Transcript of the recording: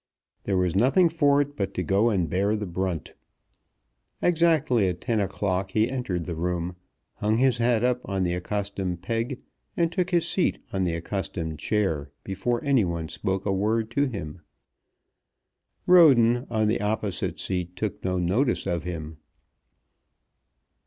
There was nothing for it but to go and bear the brunt. Exactly at ten o'clock he entered the room, hung his hat up on the accustomed peg, and took his seat on the accustomed chair before any one spoke a word to him. Roden on the opposite seat took no notice of him.